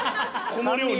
この量に。